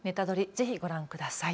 ぜひご覧ください。